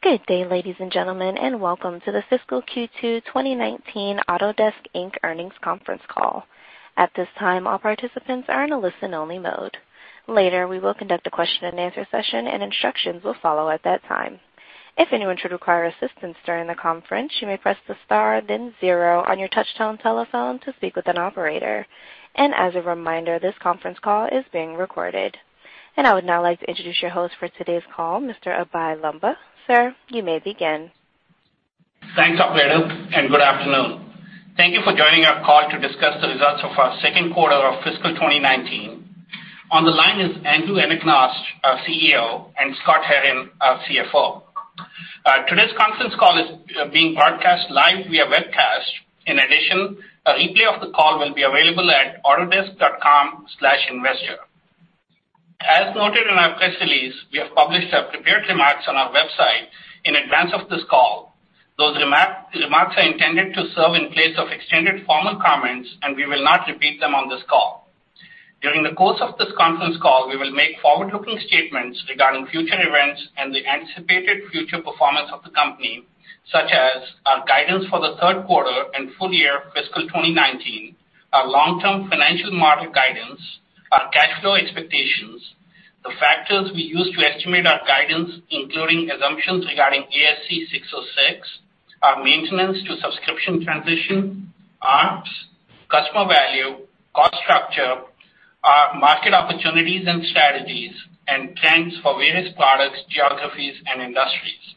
Good day, ladies and gentlemen, and welcome to the fiscal Q2 2019 Autodesk, Inc. earnings conference call. At this time, all participants are in a listen-only mode. Later, we will conduct a question and answer session, and instructions will follow at that time. If anyone should require assistance during the conference, you may press the star then zero on your touch-tone telephone to speak with an operator. As a reminder, this conference call is being recorded. I would now like to introduce your host for today's call, Mr. Abhey Lamba. Sir, you may begin. Thanks, operator, and good afternoon. Thank you for joining our call to discuss the results of our second quarter of fiscal 2019. On the line is Andrew Anagnost, our CEO, and Scott Herren, our CFO. Today's conference call is being broadcast live via webcast. In addition, a replay of the call will be available at autodesk.com/investor. As noted in our press release, we have published our prepared remarks on our website in advance of this call. Those remarks are intended to serve in place of extended formal comments, and we will not repeat them on this call. During the course of this conference call, we will make forward-looking statements regarding future events and the anticipated future performance of the company, such as our guidance for the third quarter and full year fiscal 2019, our long-term financial model guidance, our cash flow expectations, the factors we use to estimate our guidance, including assumptions regarding ASC 606, our maintenance to subscription transition, ARPS, customer value, cost structure, our market opportunities and strategies, and trends for various products, geographies, and industries.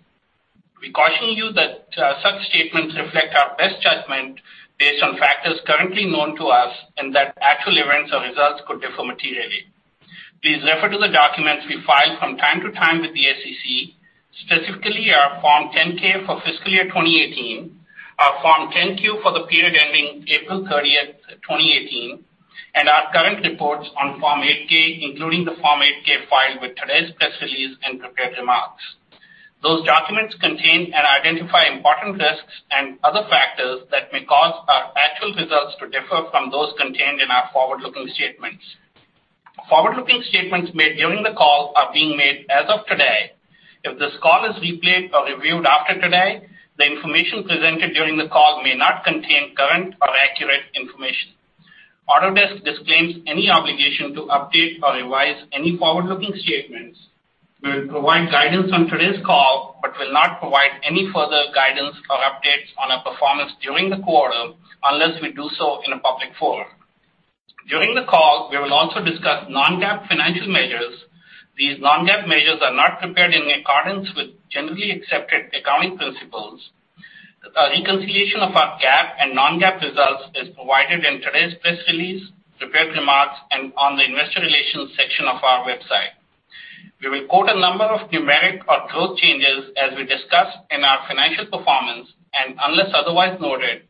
We caution you that such statements reflect our best judgment based on factors currently known to us and that actual events or results could differ materially. Please refer to the documents we file from time to time with the SEC, specifically our Form 10-K for fiscal year 2018, our Form 10-Q for the period ending April 30th, 2018, and our current reports on Form 8-K, including the Form 8-K filed with today's press release and prepared remarks. Those documents contain and identify important risks and other factors that may cause our actual results to differ from those contained in our forward-looking statements. Forward-looking statements made during the call are being made as of today. If this call is replayed or reviewed after today, the information presented during the call may not contain current or accurate information. Autodesk disclaims any obligation to update or revise any forward-looking statements. We'll provide guidance on today's call, but will not provide any further guidance or updates on our performance during the quarter unless we do so in a public forum. During the call, we will also discuss non-GAAP financial measures. These non-GAAP measures are not prepared in accordance with generally accepted accounting principles. A reconciliation of our GAAP and non-GAAP results is provided in today's press release, prepared remarks, and on the investor relations section of our website. We report a number of numeric or growth changes as we discuss in our financial performance, unless otherwise noted,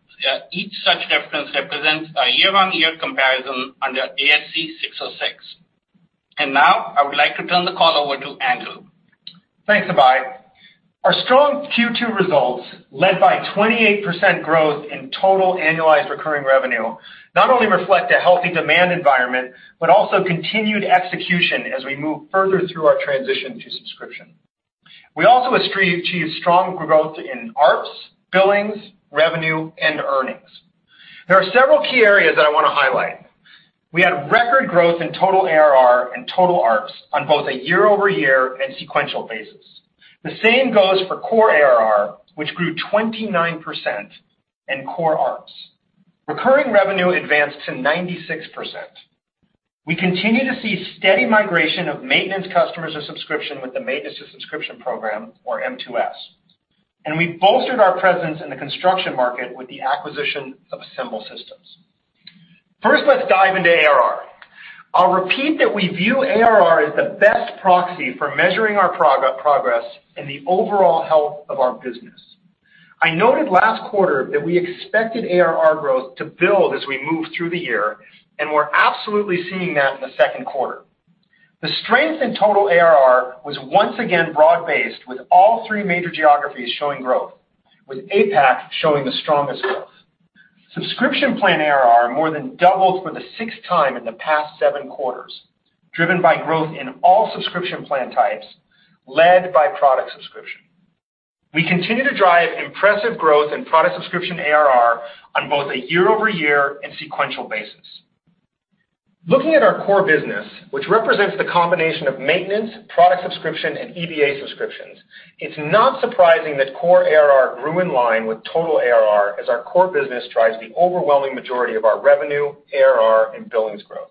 each such difference represents a year-on-year comparison under ASC 606. Now, I would like to turn the call over to Andrew. Thanks, Abhey. Our strong Q2 results, led by 28% growth in total annualized recurring revenue, not only reflect a healthy demand environment, but also continued execution as we move further through our transition to subscription. We also achieved strong growth in ARPS, billings, revenue, and earnings. There are several key areas that I want to highlight. We had record growth in total ARR and total ARPS on both a year-over-year and sequential basis. The same goes for core ARR, which grew 29%, and core ARPS. Recurring revenue advanced to 96%. We continue to see steady migration of maintenance customers to subscription with the Maintenance to Subscription program, or M2S. We bolstered our presence in the construction market with the acquisition of Assemble Systems. First, let's dive into ARR. I'll repeat that we view ARR as the best proxy for measuring our progress and the overall health of our business. I noted last quarter that I expected ARR growth to build as we move through the year, and we're absolutely seeing that in the second quarter. The strength in total ARR was once again broad-based with all three major geographies showing growth, with APAC showing the strongest growth. Subscription plan ARR more than doubled for the sixth time in the past seven quarters, driven by growth in all subscription plan types, led by product subscription. We continue to drive impressive growth in product subscription ARR on both a year-over-year and sequential basis. Looking at our core business, which represents the combination of maintenance, product subscription, and EBA subscriptions, it's not surprising that core ARR grew in line with total ARR, as our core business drives the overwhelming majority of our revenue, ARR, and billings growth.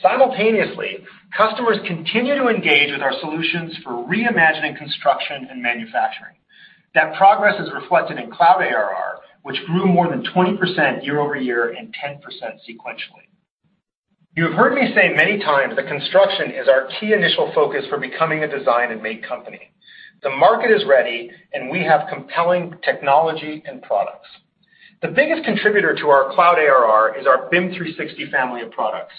Simultaneously, customers continue to engage with our solutions for reimagining construction and manufacturing. That progress is reflected in cloud ARR, which grew more than 20% year-over-year and 10% sequentially. You have heard me say many times that construction is our key initial focus for becoming a design and make company. The market is ready, and we have compelling technology and products. The biggest contributor to our cloud ARR is our BIM 360 family of products,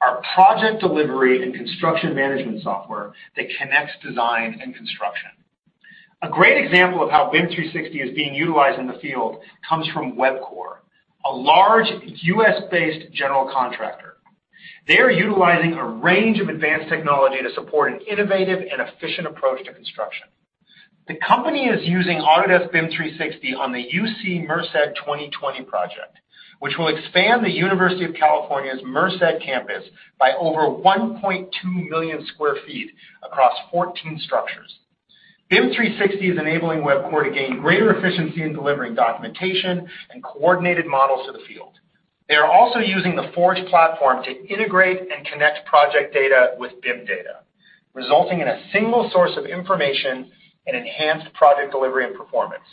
our project delivery and construction management software that connects design and construction. A great example of how BIM 360 is being utilized in the field comes from Webcor, a large U.S.-based general contractor. They are utilizing a range of advanced technology to support an innovative and efficient approach to construction. The company is using Autodesk BIM 360 on the UC Merced 2020 project, which will expand the University of California's Merced campus by over 1.2 million square feet across 14 structures. BIM 360 is enabling Webcor to gain greater efficiency in delivering documentation and coordinated models to the field. They are also using the Forge platform to integrate and connect project data with BIM data, resulting in a single source of information and enhanced project delivery and performance.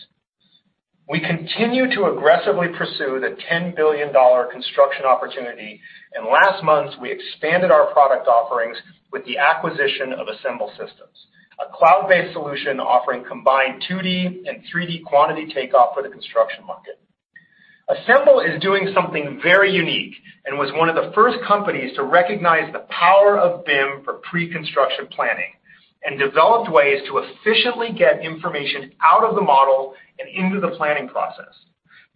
We continue to aggressively pursue the $10 billion construction opportunity, and last month, we expanded our product offerings with the acquisition of Assemble Systems, a cloud-based solution offering combined 2D and 3D quantity takeoff for the construction market. Assemble is doing something very unique and was one of the first companies to recognize the power of BIM for pre-construction planning, and developed ways to efficiently get information out of the model and into the planning process.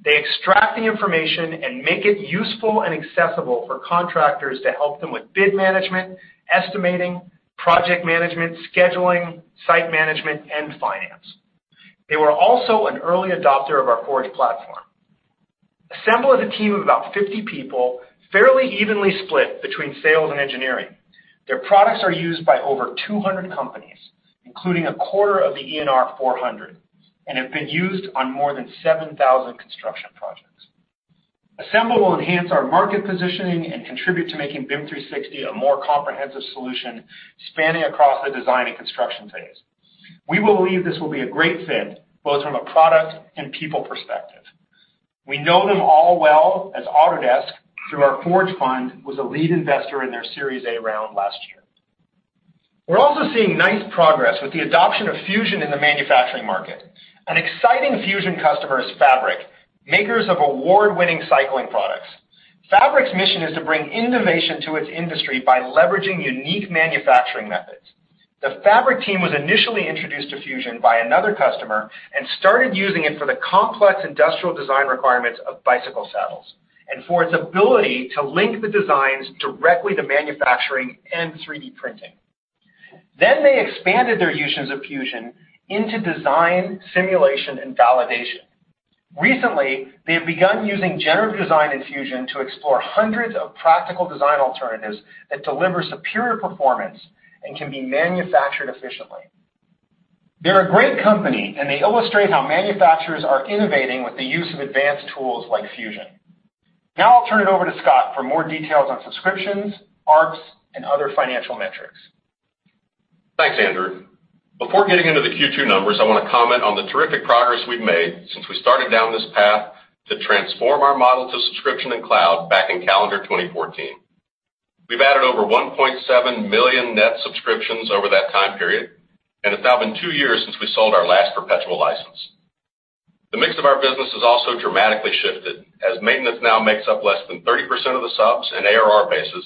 They extract the information and make it useful and accessible for contractors to help them with bid management, estimating, project management, scheduling, site management, and finance. They were also an early adopter of our Forge platform. Assemble has a team of about 50 people, fairly evenly split between sales and engineering. Their products are used by over 200 companies, including a quarter of the ENR 400, and have been used on more than 7,000 construction projects. Assemble will enhance our market positioning and contribute to making BIM 360 a more comprehensive solution spanning across the design and construction phase. We believe this will be a great fit, both from a product and people perspective. We know them all well, as Autodesk, through our Forge Fund, was a lead investor in their Series A round last year. We're also seeing nice progress with the adoption of Fusion in the manufacturing market. An exciting Fusion customer is Fabric, makers of award-winning cycling products. Fabric's mission is to bring innovation to its industry by leveraging unique manufacturing methods. The Fabric team was initially introduced to Fusion by another customer and started using it for the complex industrial design requirements of bicycle saddles, and for its ability to link the designs directly to manufacturing and 3D printing. Then they expanded their uses of Fusion into design, simulation, and validation. Recently, they have begun using generative design in Fusion to explore hundreds of practical design alternatives that deliver superior performance and can be manufactured efficiently. They're a great company, and they illustrate how manufacturers are innovating with the use of advanced tools like Fusion. Now I'll turn it over to Scott for more details on subscriptions, ARPS, and other financial metrics. Thanks, Andrew. Before getting into the Q2 numbers, I want to comment on the terrific progress we've made since we started down this path to transform our model to subscription and cloud back in calendar 2014. We've added over 1.7 million net subscriptions over that time period, and it's now been two years since we sold our last perpetual license. The mix of our business has also dramatically shifted, as maintenance now makes up less than 30% of the subs and ARR basis,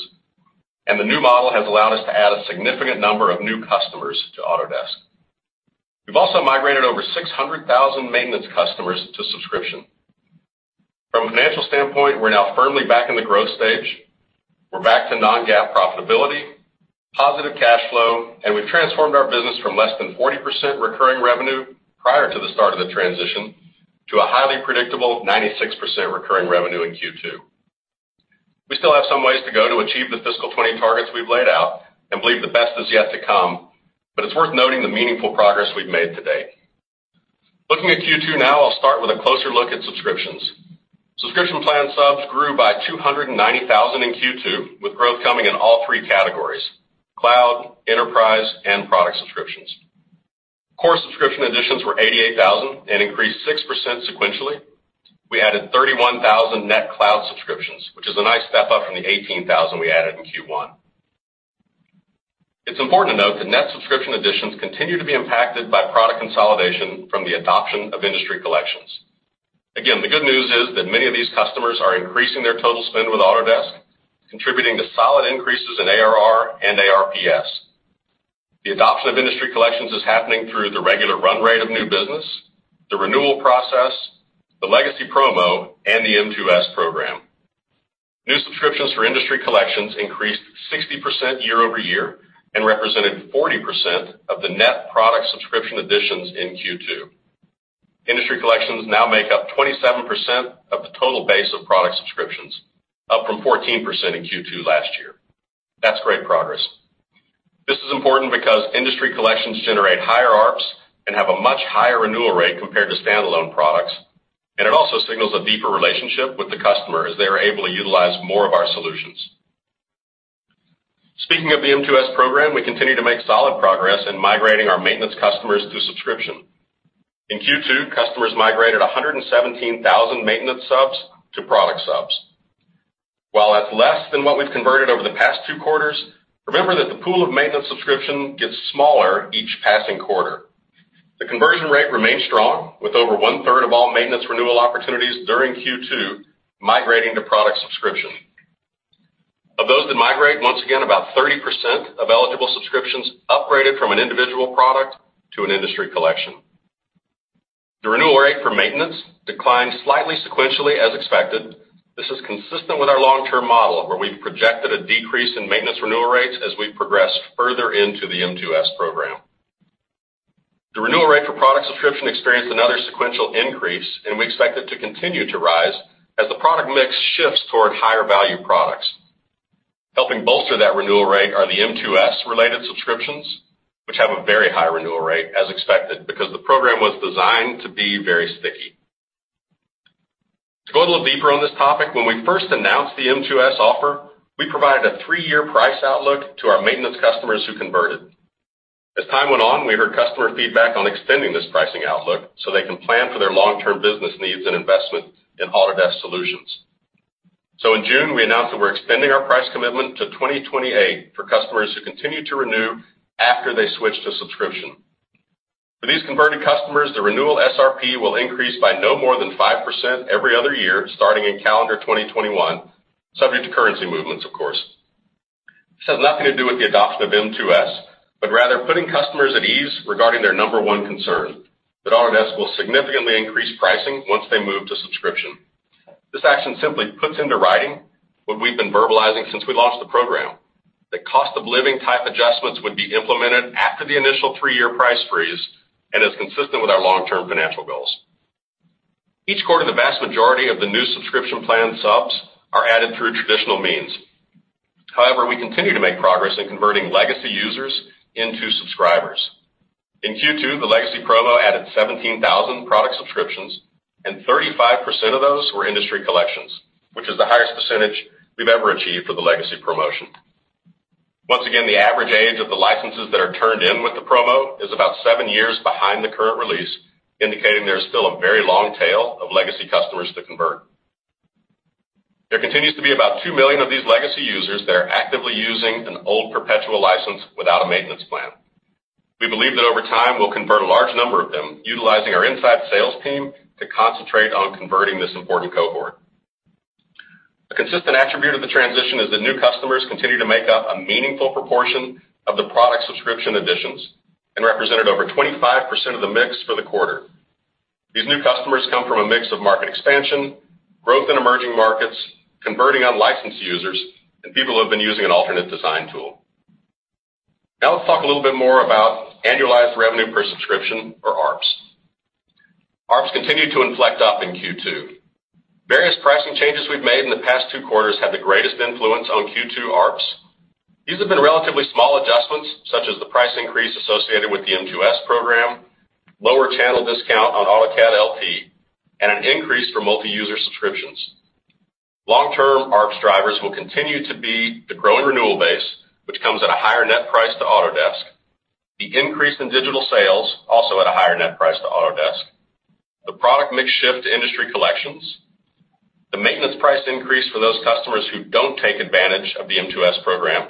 and the new model has allowed us to add a significant number of new customers to Autodesk. We've also migrated over 600,000 maintenance customers to subscription. From a financial standpoint, we're now firmly back in the growth stage. We're back to non-GAAP profitability, positive cash flow, and we've transformed our business from less than 40% recurring revenue prior to the start of the transition to a highly predictable 96% recurring revenue in Q2. We still have some ways to go to achieve the fiscal 20 targets we've laid out and believe the best is yet to come, but it's worth noting the meaningful progress we've made to date. Looking at Q2 now, I'll start with a closer look at subscriptions. Subscription plan subs grew by 290,000 in Q2, with growth coming in all three categories: cloud, enterprise, and product subscriptions. Core subscription additions were 88,000 and increased 6% sequentially. We added 31,000 net cloud subscriptions, which is a nice step up from the 18,000 we added in Q1. It's important to note that net subscription additions continue to be impacted by product consolidation from the adoption of Industry Collections. The good news is that many of these customers are increasing their total spend with Autodesk, contributing to solid increases in ARR and ARPS. The adoption of Industry Collections is happening through the regular run rate of new business, the renewal process, the legacy promo, and the M2S program. New subscriptions for Industry Collections increased 60% year-over-year and represented 40% of the net product subscription additions in Q2. Industry Collections now make up 27% of the total base of product subscriptions, up from 14% in Q2 last year. That's great progress. This is important because Industry Collections generate higher ARPS and have a much higher renewal rate compared to standalone products, and it also signals a deeper relationship with the customer as they are able to utilize more of our solutions. Speaking of the M2S program, we continue to make solid progress in migrating our maintenance customers to subscription. In Q2, customers migrated 117,000 maintenance subs to product subs. While that's less than what we've converted over the past two quarters, remember that the pool of maintenance subscription gets smaller each passing quarter. The conversion rate remains strong, with over one-third of all maintenance renewal opportunities during Q2 migrating to product subscription. We saw that migrate once again, about 30% of eligible subscriptions upgraded from an individual product to an Industry Collection. The renewal rate for maintenance declined slightly sequentially as expected. This is consistent with our long-term model, where we projected a decrease in maintenance renewal rates as we progress further into the M2S program. The renewal rate for product subscription experienced another sequential increase, and we expect it to continue to rise as the product mix shifts toward higher value products. Helping bolster that renewal rate are the M2S-related subscriptions, which have a very high renewal rate, as expected, because the program was designed to be very sticky. To go a little deeper on this topic, when we first announced the M2S offer, we provided a three-year price outlook to our maintenance customers who converted. As time went on, we heard customer feedback on extending this pricing outlook so they can plan for their long-term business needs and investment in Autodesk solutions. In June, we announced that we're extending our price commitment to 2028 for customers who continue to renew after they switch to subscription. For these converted customers, the renewal SRP will increase by no more than 5% every other year, starting in calendar 2021, subject to currency movements, of course. This has nothing to do with the adoption of M2S, but rather putting customers at ease regarding their number one concern, that Autodesk will significantly increase pricing once they move to subscription. This action simply puts into writing what we've been verbalizing since we launched the program. The cost-of-living-type adjustments would be implemented after the initial three-year price freeze and is consistent with our long-term financial goals. Each quarter, the vast majority of the new subscription plan subs are added through traditional means. However, we continue to make progress in converting legacy users into subscribers. In Q2, the legacy promo added 17,000 product subscriptions, and 35% of those were Industry Collections, which is the highest percentage we've ever achieved for the legacy promotion. Once again, the average age of the licenses that are turned in with the promo is about seven years behind the current release, indicating there's still a very long tail of legacy customers to convert. There continues to be about 2 million of these legacy users that are actively using an old perpetual license without a maintenance plan. We believe that over time, we'll convert a large number of them, utilizing our inside sales team to concentrate on converting this important cohort. A consistent attribute of the transition is that new customers continue to make up a meaningful proportion of the product subscription additions and represented over 25% of the mix for the quarter. These new customers come from a mix of market expansion, growth in emerging markets, converting unlicensed users, and people who have been using an alternate design tool. Let's talk a little bit more about annualized revenue per subscription or ARPS. ARPS continued to inflect up in Q2. Various pricing changes we've made in the past two quarters had the greatest influence on Q2 ARPS. These have been relatively small adjustments, such as the price increase associated with the M2S program, lower channel discount on AutoCAD LT, and an increase for multi-user subscriptions. Long-term ARPS drivers will continue to be the growing renewal base, which comes at a higher net price to Autodesk, the increase in digital sales also at a higher net price to Autodesk, the product mix shift to Industry Collections, the maintenance price increase for those customers who don't take advantage of the M2S program,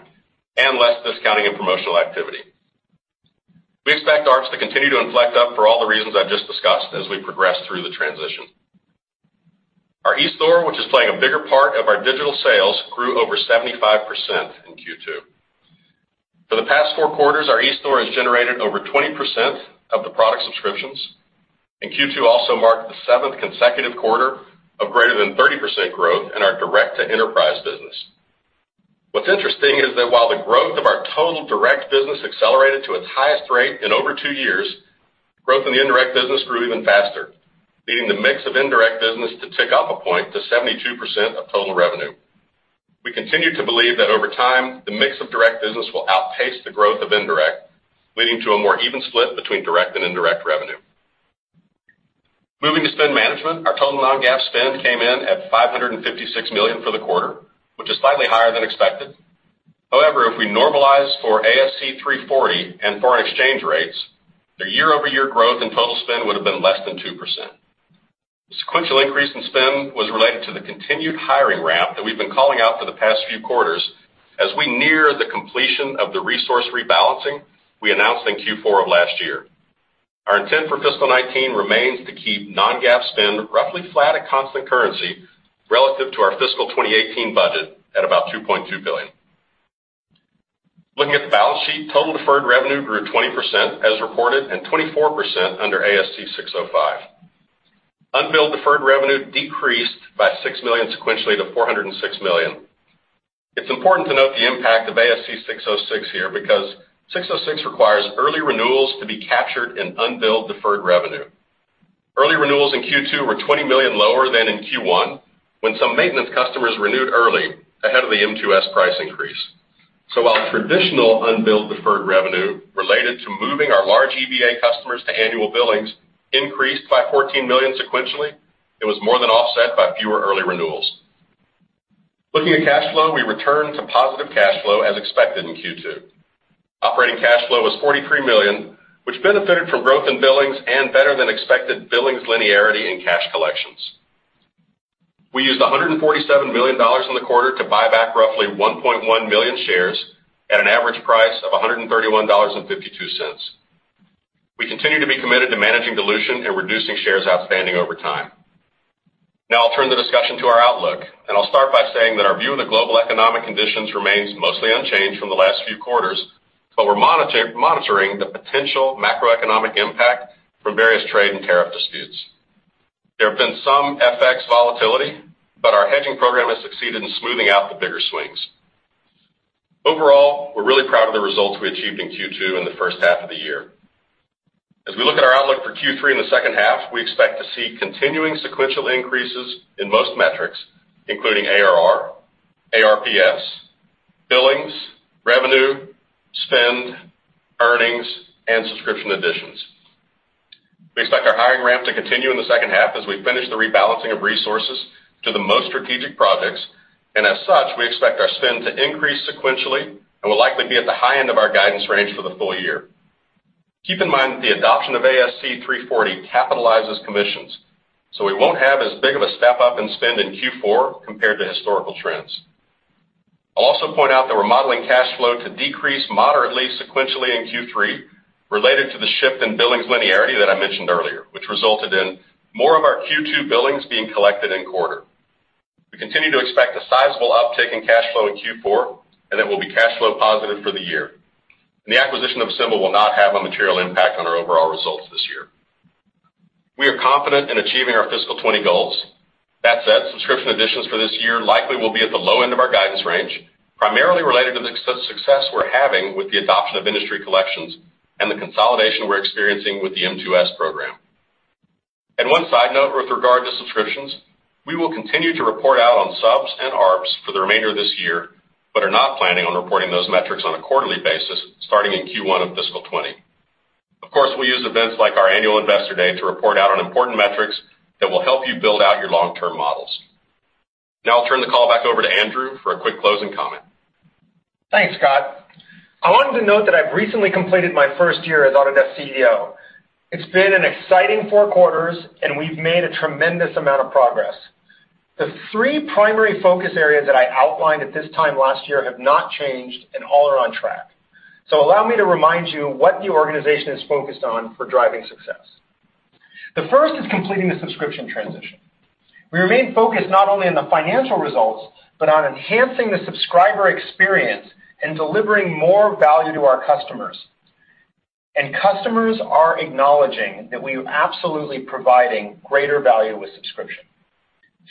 and less discounting and promotional activity. We expect ARPS to continue to inflect up for all the reasons I've just discussed as we progress through the transition. Our eStore, which is playing a bigger part of our digital sales, grew over 75% in Q2. For the past four quarters, our eStore has generated over 20% of the product subscriptions, and Q2 also marked the seventh consecutive quarter of greater than 30% growth in our direct-to-enterprise business. What's interesting is that while the growth of our total direct business accelerated to its highest rate in over two years, growth in the indirect business grew even faster, leading the mix of indirect business to tick up a point to 72% of total revenue. We continue to believe that over time, the mix of direct business will outpace the growth of indirect, leading to a more even split between direct and indirect revenue. Moving to spend management, our total non-GAAP spend came in at $556 million for the quarter, which is slightly higher than expected. However, if we normalize for ASC 340 and foreign exchange rates, the year-over-year growth in total spend would have been less than 2%. Sequential increase in spend was related to the continued hiring ramp that we've been calling out for the past few quarters as we near the completion of the resource rebalancing we announced in Q4 of last year. Our intent for fiscal 2019 remains to keep non-GAAP spend roughly flat at constant currency relative to our fiscal 2018 budget at about $2.2 billion. Looking at the balance sheet, total deferred revenue grew 20% as reported and 24% under ASC 605. Unbilled deferred revenue decreased by $6 million sequentially to $406 million. It's important to note the impact of ASC 606 here because 606 requires early renewals to be captured in unbilled deferred revenue. Early renewals in Q2 were $20 million lower than in Q1 when some maintenance customers renewed early ahead of the M2S price increase. While traditional unbilled deferred revenue related to moving our large EBA customers to annual billings increased by $14 million sequentially, it was more than offset by fewer early renewals. Looking at cash flow, we returned to positive cash flow as expected in Q2. Operating cash flow was $43 million, which benefited from growth in billings and better-than-expected billings linearity in cash collections. We used $147 million in the quarter to buy back roughly 1.1 million shares at an average price of $131.52. We continue to be committed to managing dilution and reducing shares outstanding over time. I'll turn the discussion to our outlook, and I'll start by saying that our view of the global economic conditions remains mostly unchanged from the last few quarters, but we're monitoring the potential macroeconomic impact from various trade and tariff disputes. There have been some FX volatility, but our hedging program has succeeded in smoothing out the bigger swings. Overall, we're really proud of the results we achieved in Q2 in the first half of the year. As we look at our outlook for Q3 in the second half, we expect to see continuing sequential increases in most metrics, including ARR, ARPS, billings, revenue, spend, earnings, and subscription additions. We expect our hiring ramp to continue in the second half as we finish the rebalancing of resources to the most strategic projects, and as such, we expect our spend to increase sequentially and will likely be at the high end of our guidance range for the full year. Keep in mind that the adoption of ASC 340 capitalizes commissions, so we won't have as big of a step-up in spend in Q4 compared to historical trends. I'll also point out that we're modeling cash flow to decrease moderately sequentially in Q3 related to the shift in billings linearity that I mentioned earlier, which resulted in more of our Q2 billings being collected in-quarter. We continue to expect a sizable uptick in cash flow in Q4, and it will be cash flow positive for the year. The acquisition of Assemble will not have a material impact on our overall results this year. We are confident in achieving our fiscal 20 goals. That said, subscription additions for this year likely will be at the low end of our guidance range, primarily related to the success we're having with the adoption of Industry Collections and the consolidation we're experiencing with the M2S program. One side note with regard to subscriptions, we will continue to report out on subs and ARPS for the remainder of this year, but are not planning on reporting those metrics on a quarterly basis starting in Q1 of fiscal 20. Of course, we'll use events like our annual Investor Day to report out on important metrics that will help you build out your long-term models. Now I'll turn the call back over to Andrew for a quick closing comment. Thanks, Scott. I wanted to note that I've recently completed my first year as Autodesk CEO. It's been an exciting four quarters, and we've made a tremendous amount of progress. The three primary focus areas that I outlined at this time last year have not changed and all are on track. Allow me to remind you what the organization is focused on for driving success. The first is completing the subscription transition. We remain focused not only on the financial results, but on enhancing the subscriber experience and delivering more value to our customers. Customers are acknowledging that we are absolutely providing greater value with subscription.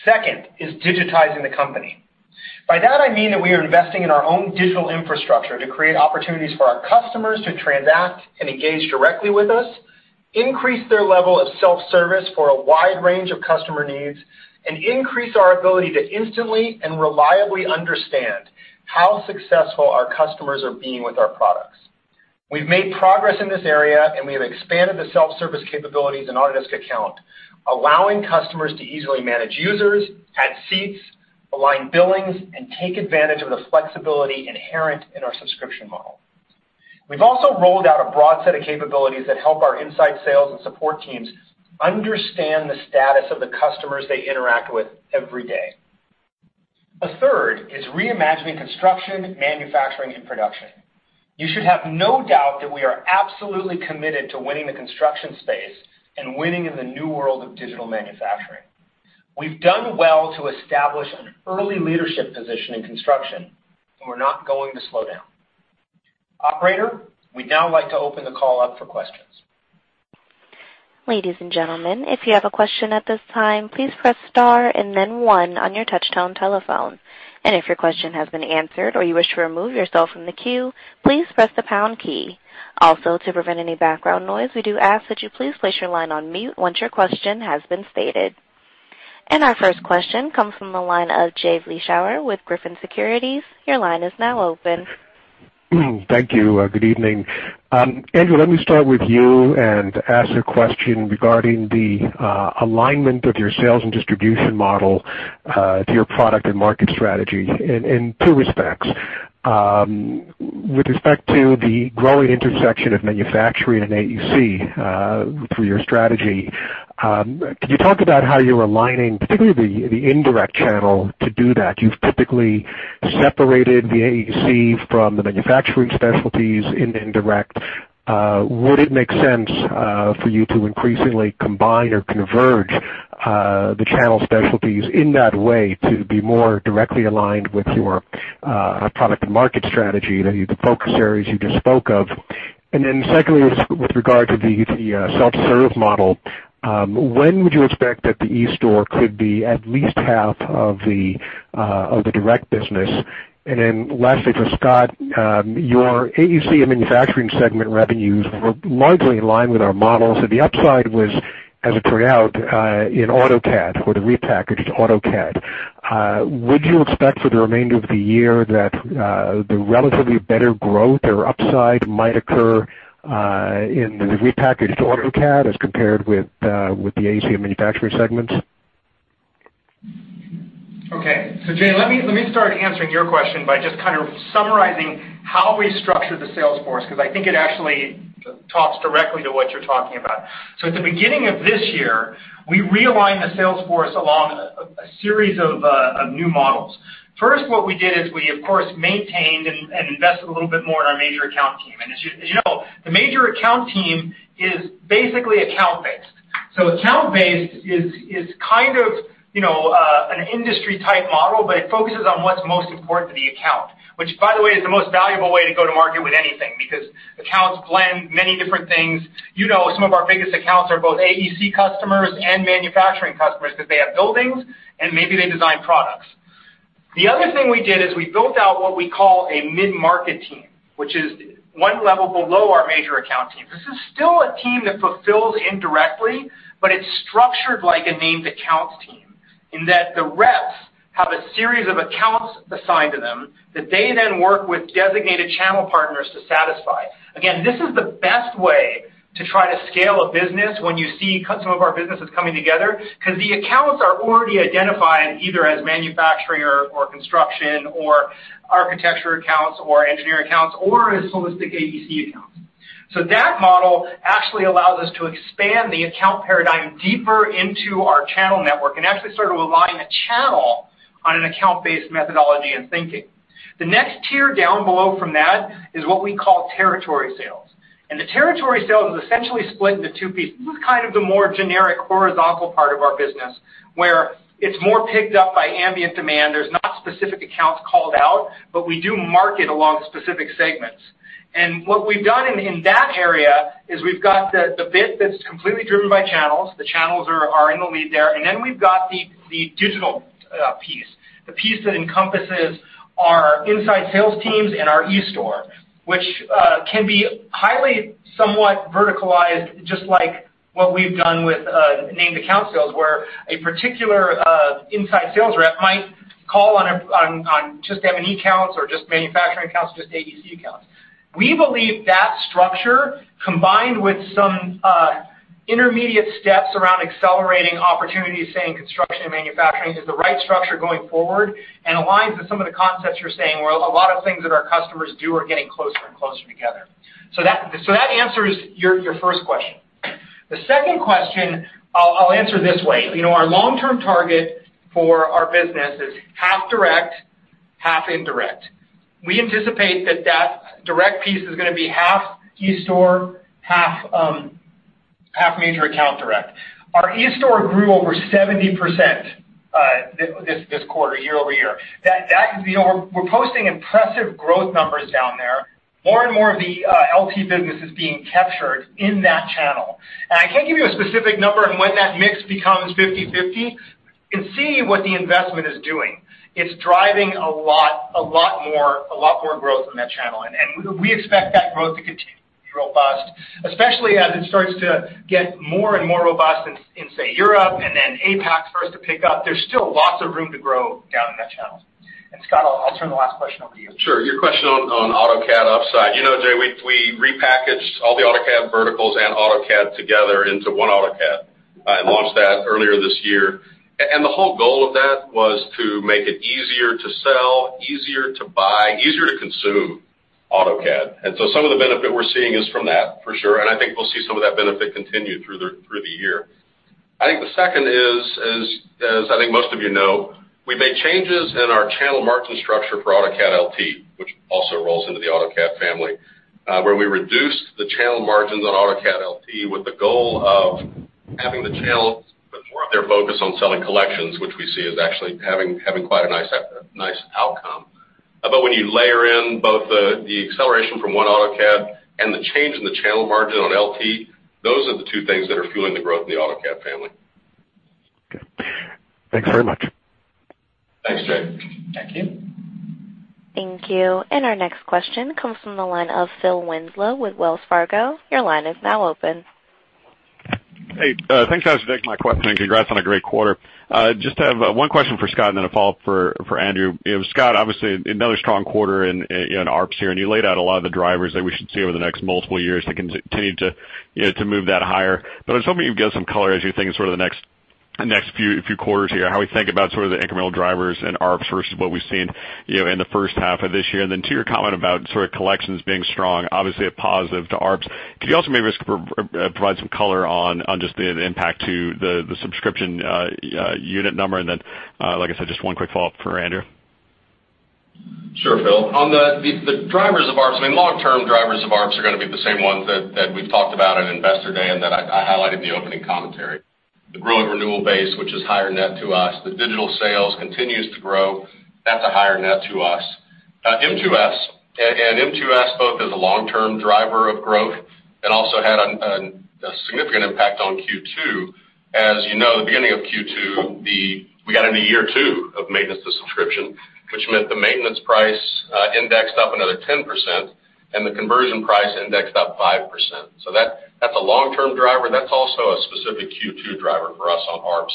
Second is digitizing the company. By that, I mean that we are investing in our own digital infrastructure to create opportunities for our customers to transact and engage directly with us, increase their level of self-service for a wide range of customer needs, and increase our ability to instantly and reliably understand how successful our customers are being with our products. We've made progress in this area, and we have expanded the self-service capabilities in Autodesk Account, allowing customers to easily manage users, add seats, align billings, and take advantage of the flexibility inherent in our subscription model. We've also rolled out a broad set of capabilities that help our inside sales and support teams understand the status of the customers they interact with every day. A third is reimagining construction, manufacturing, and production. You should have no doubt that we are absolutely committed to winning the construction space and winning in the new world of digital manufacturing. We've done well to establish an early leadership position in construction, and we're not going to slow down. Operator, we'd now like to open the call up for questions. Ladies and gentlemen, if you have a question at this time, please press star and then one on your touchtone telephone. If your question has been answered or you wish to remove yourself from the queue, please press the pound key. To prevent any background noise, we do ask that you please place your line on mute once your question has been stated. Our first question comes from the line of Jay Vleeschhouwer with Griffin Securities. Your line is now open. Thank you. Good evening. Andrew, let me start with you and ask a question regarding the alignment of your sales and distribution model to your product and market strategy in two respects. With respect to the growing intersection of manufacturing and AEC for your strategy, can you talk about how you're aligning, particularly the indirect channel, to do that? You've typically separated the AEC from the manufacturing specialties in indirect. Would it make sense for you to increasingly combine or converge the channel specialties in that way to be more directly aligned with your product and market strategy, the focus areas you just spoke of. Secondly, with regard to the self-serve model, when would you expect that the e-store could be at least half of the direct business? Lastly, for Scott, your AEC and manufacturing segment revenues were largely in line with our models, and the upside was, as it turned out, in AutoCAD or the repackaged AutoCAD. Would you expect for the remainder of the year that the relatively better growth or upside might occur in the repackaged AutoCAD as compared with the AEC and manufacturing segments? Jay, let me start answering your question by just kind of summarizing how we structured the sales force, because I think it actually talks directly to what you're talking about. At the beginning of this year, we realigned the sales force along a series of new models. First, what we did is we, of course, maintained and invested a little bit more in our major account team. As you know, the major account team is basically account-based. Account-based is kind of an industry-type model, but it focuses on what's most important to the account. Which, by the way, is the most valuable way to go to market with anything, because accounts blend many different things. You know some of our biggest accounts are both AEC customers and manufacturing customers because they have buildings and maybe they design products. The other thing we did is we built out what we call a mid-market team, which is one level below our major account team. This is still a team that fulfills indirectly, but it's structured like a named accounts team in that the reps have a series of accounts assigned to them that they then work with designated channel partners to satisfy. Again, this is the best way to try to scale a business when you see some of our businesses coming together because the accounts are already identified either as manufacturing or construction or architecture accounts or engineering accounts, or as holistic AEC accounts. That model actually allows us to expand the account paradigm deeper into our channel network and actually start to align a channel on an account-based methodology and thinking. The next tier down below from that is what we call territory sales. The territory sales is essentially split into two pieces. This is kind of the more generic horizontal part of our business, where it's more picked up by ambient demand. There's not specific accounts called out, but we do market along specific segments. What we've done in that area is we've got the bit that's completely driven by channels. The channels are in the lead there. Then we've got the digital piece, the piece that encompasses our inside sales teams and our eStore, which can be highly somewhat verticalized, just like what we've done with named account sales, where a particular inside sales rep might call on just M&E accounts or just manufacturing counts, just AEC accounts. We believe that structure, combined with some intermediate steps around accelerating opportunities, say in construction and manufacturing, is the right structure going forward and aligns with some of the concepts you're saying where a lot of things that our customers do are getting closer and closer together. That answers your first question. The second question I'll answer this way. Our long-term target for our business is half direct, half indirect. We anticipate that that direct piece is going to be half eStore, half major account direct. Our eStore grew over 70% this quarter, year-over-year. We're posting impressive growth numbers down there. More and more of the LT business is being captured in that channel. I can't give you a specific number on when that mix becomes 50/50. You can see what the investment is doing. It's driving a lot more growth in that channel, we expect that growth to continue to be robust, especially as it starts to get more and more robust in, say, Europe, then APAC starts to pick up. There's still lots of room to grow down in that channel. Scott, I'll turn the last question over to you. Sure. Your question on AutoCAD upside. You know, Jay, we repackaged all the AutoCAD verticals and AutoCAD together into One AutoCAD and launched that earlier this year. The whole goal of that was to make it easier to sell, easier to buy, easier to consume AutoCAD. Some of the benefit we're seeing is from that, for sure. I think we'll see some of that benefit continue through the year. I think the second is, as I think most of you know, we made changes in our channel margin structure for AutoCAD LT, which also rolls into the AutoCAD family, where we reduced the channel margins on AutoCAD LT with the goal of having the channels put more of their focus on selling collections, which we see is actually having quite a nice outcome. When you layer in both the acceleration from One AutoCAD and the change in the channel margin on LT, those are the two things that are fueling the growth in the AutoCAD family. Okay. Thanks very much. Thanks, Jay. Thank you. Thank you. Our next question comes from the line of Philip Winslow with Wells Fargo. Your line is now open. Hey, thanks, guys. Thanks for taking my question, and congrats on a great quarter. Just have one question for Scott and then a follow-up for Andrew. Scott, obviously another strong quarter in ARPS here, and you laid out a lot of the drivers that we should see over the next multiple years that continue to move that higher. I was hoping you'd give some color as you think in sort of the next few quarters here, how we think about sort of the incremental drivers in ARPS versus what we've seen in the first half of this year. To your comment about sort of collections being strong, obviously a positive to ARPS. Could you also maybe provide some color on just the impact to the subscription unit number? Like I said, just one quick follow-up for Andrew. Sure, Phil. On the drivers of ARPS, I mean, long-term drivers of ARPS are going to be the same ones that we've talked about at Investor Day and that I highlighted in the opening commentary. The growing renewal base, which is higher net to us. The digital sales continues to grow. That's a higher net to us. M2S, and M2S both as a long-term driver of growth and also had a significant impact on Q2. As you know, the beginning of Q2, we got into year two of maintenance to subscription, which meant the maintenance price indexed up another 10%, and the conversion price indexed up 5%. That's a long-term driver. That's also a specific Q2 driver for us on ARPS.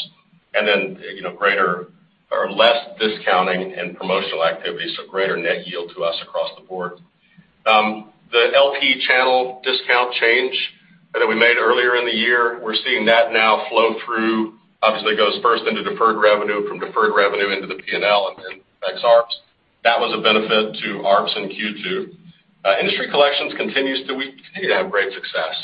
Less discounting and promotional activities, so greater net yield to us across the board. The LT channel discount change that we made earlier in the year, we're seeing that now flow through. Obviously, it goes first into deferred revenue, from deferred revenue into the P&L and affects ARPS. Was a benefit to ARPS in Q2. Industry Collections continues to have great success.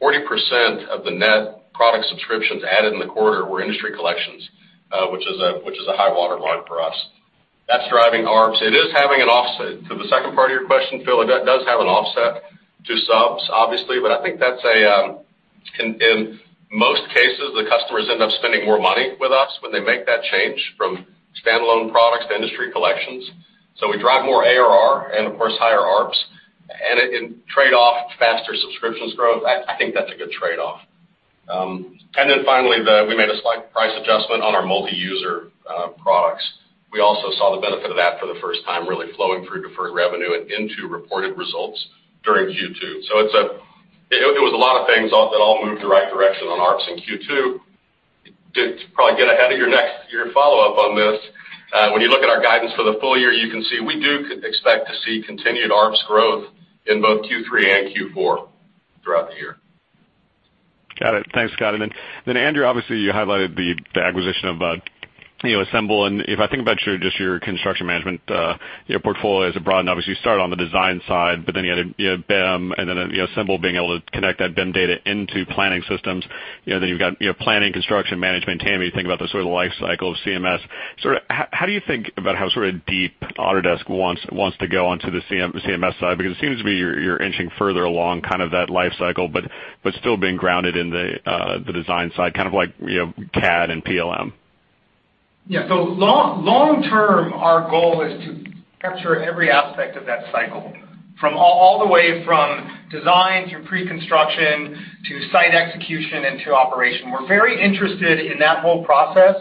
40% of the net product subscriptions added in the quarter were Industry Collections, which is a high water line for us. That's driving ARPS. It is having an offset. To the second part of your question, Phil, it does have an offset to subs, obviously, but I think in most cases, the customers end up spending more money with us when they make that change from standalone products to Industry Collections. We drive more ARR and of course, higher ARPS, and it trade-off faster subscriptions growth. I think that's a good trade-off. Finally, we made a slight price adjustment on our multi-user products. We also saw the benefit of that for the first time, really flowing through deferred revenue and into reported results during Q2. It was a lot of things that all moved the right direction on ARPS in Q2. To probably get ahead of your follow-up on this, when you look at our guidance for the full year, you can see we do expect to see continued ARPS growth in both Q3 and Q4 throughout the year. Got it. Thanks, Scott. Then, Andrew, obviously, you highlighted the acquisition of Assemble. If I think about just your construction management portfolio as it broadened, obviously, you started on the design side, but then you had BIM and then Assemble being able to connect that BIM data into planning systems. You've got planning, construction management, TAM, you think about the sort of life cycle of CMS. How do you think about how sort of deep Autodesk wants to go onto the CMS side? Because it seems to me you're inching further along kind of that life cycle, but still being grounded in the design side, kind of like CAD and PLM. Yeah. Long-term, our goal is to capture every aspect of that cycle. From all the way from design through pre-construction to site execution and to operation. We're very interested in that whole process,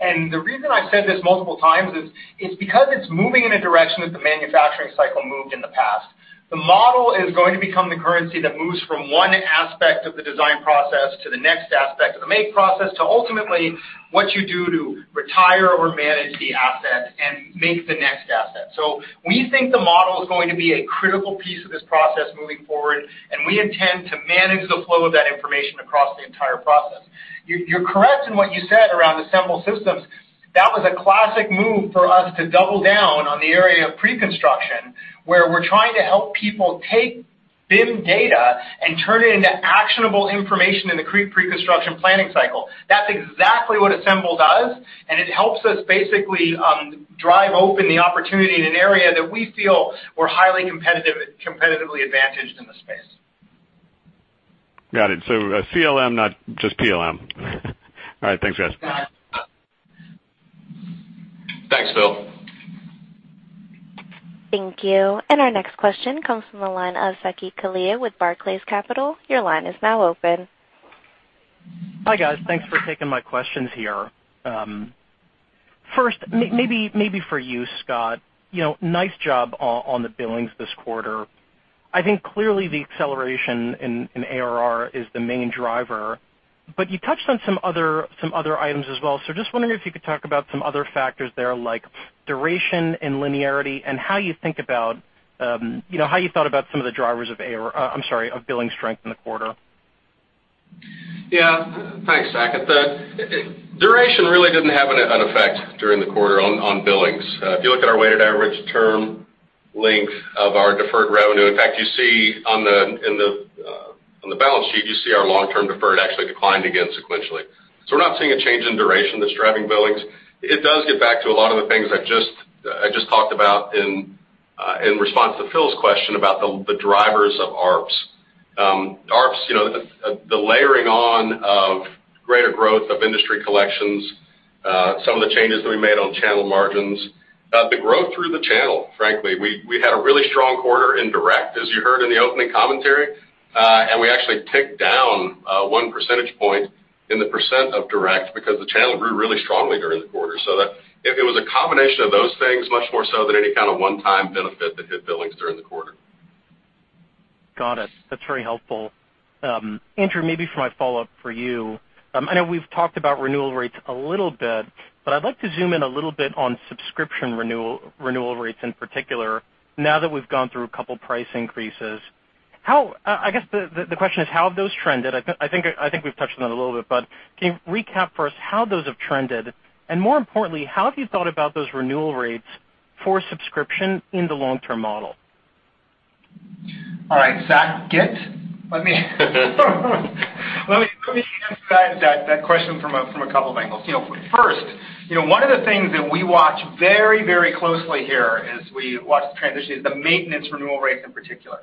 and the reason I've said this multiple times is, it's because it's moving in a direction that the manufacturing cycle moved in the past. The model is going to become the currency that moves from one aspect of the design process to the next aspect of the make process, to ultimately what you do to retire or manage the asset and make the next asset. We think the model is going to be a critical piece of this process moving forward, and we intend to manage the flow of that information across the entire process. You're correct in what you said around Assemble Systems. That was a classic move for us to double down on the area of pre-construction, where we're trying to help people take BIM data and turn it into actionable information in the pre-construction planning cycle. That's exactly what Assemble does, and it helps us basically drive open the opportunity in an area that we feel we're highly competitively advantaged in the space. Got it. CLM, not just PLM. All right, thanks, guys. Thanks, Phil. Thank you. Our next question comes from the line of Saket Kalia with Barclays Capital. Your line is now open. Hi, guys. Thanks for taking my questions here. First, maybe for you, Scott. Nice job on the billings this quarter. I think clearly the acceleration in ARR is the main driver, you touched on some other items as well. Just wondering if you could talk about some other factors there, like duration and linearity and how you thought about some of the drivers of billing strength in the quarter. Yeah. Thanks, Saket. The duration really didn't have an effect during the quarter on billings. If you look at our weighted average term length of our deferred revenue, in fact, on the balance sheet, you see our long-term deferred actually declined again sequentially. We're not seeing a change in duration that's driving billings. It does get back to a lot of the things I just talked about in response to Phil's question about the drivers of ARPS. ARPS, the layering on of greater growth of Industry Collections, some of the changes that we made on channel margins, the growth through the channel, frankly. We had a really strong quarter in direct, as you heard in the opening commentary. We actually ticked down one percentage point in the percent of direct because the channel grew really strongly during the quarter. It was a combination of those things, much more so than any kind of one-time benefit that hit billings during the quarter. Got it. That's very helpful. Andrew, maybe for my follow-up for you. I know we've talked about renewal rates a little bit, but I'd like to zoom in a little bit on subscription renewal rates in particular now that we've gone through a couple price increases. I guess the question is, how have those trended? I think we've touched on it a little bit, but can you recap for us how those have trended? More importantly, how have you thought about those renewal rates for subscription in the long-term model? All right, Saket. Let me answer that question from a couple of angles. First, one of the things that we watch very closely here as we watch the transition is the maintenance renewal rates in particular.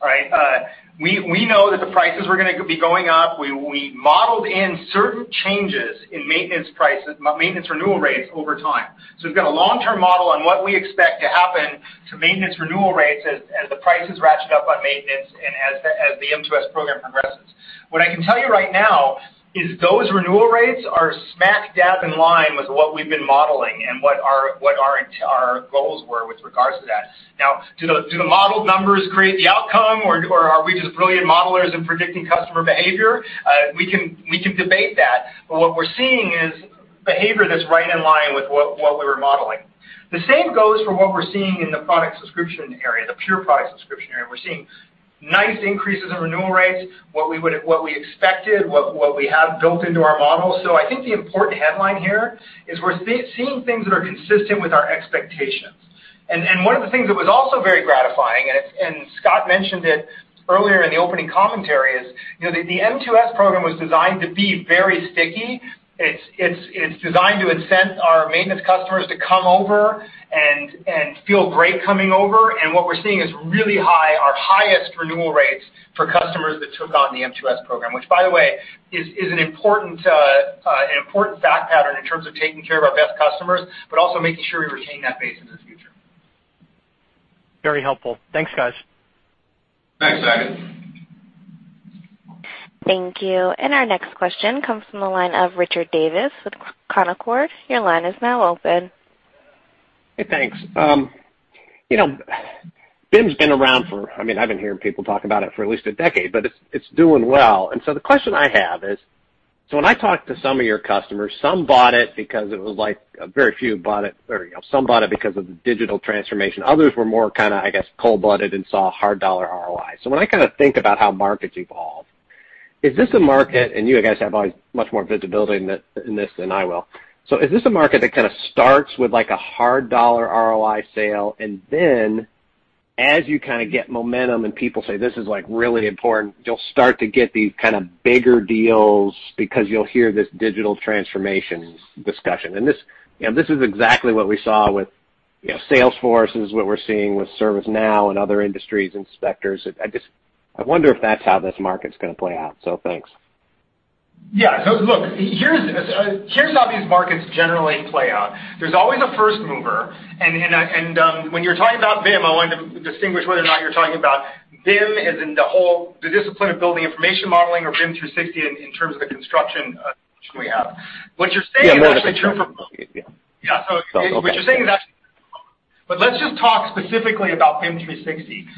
All right? We know that the prices were going to be going up. We modeled in certain changes in maintenance renewal rates over time. We've got a long-term model on what we expect to happen to maintenance renewal rates as the prices ratchet up on maintenance and as the M2S program progresses. What I can tell you right now is those renewal rates are smack dab in line with what we've been modeling and what our goals were with regards to that. Now, do the modeled numbers create the outcome, or are we just brilliant modelers in predicting customer behavior? We can debate that, what we're seeing is behavior that's right in line with what we were modeling. The same goes for what we're seeing in the product subscription area, the pure product subscription area. We're seeing Nice increases in renewal rates, what we expected, what we have built into our model. I think the important headline here is we're seeing things that are consistent with our expectations. One of the things that was also very gratifying, and Scott mentioned it earlier in the opening commentary, is the M2S program was designed to be very sticky. It's designed to incent our maintenance customers to come over and feel great coming over. What we're seeing is really high, our highest renewal rates for customers that took on the M2S program. Which, by the way, is an important fact pattern in terms of taking care of our best customers, but also making sure we retain that base into the future. Very helpful. Thanks, guys. Thanks, Saket. Thank you. Our next question comes from the line of Richard Davis with Canaccord. Your line is now open. Hey, thanks. BIM's been around for, I've been hearing people talk about it for at least a decade, but it's doing well. The question I have is, so when I talk to some of your customers, some bought it because of the digital transformation. Others were more, I guess, cold-blooded and saw hard dollar ROI. So when I think about how markets evolve, is this a market, and you guys have always much more visibility in this than I will. So is this a market that kind of starts with like a hard dollar ROI sale, and then as you get momentum and people say, "This is really important," you'll start to get these kind of bigger deals because you'll hear this digital transformation discussion? This is exactly what we saw with Salesforce, is what we're seeing with ServiceNow and other industries, inspectors. I wonder if that's how this market's going to play out. Thanks. Yeah. Look, here's how these markets generally play out. There's always a first mover, and when you're talking about BIM, I wanted to distinguish whether or not you're talking about BIM as in the whole, the discipline of building information modeling or BIM 360 in terms of the construction solution we have. Yeah, no, that's true. Let's just talk specifically about BIM 360, which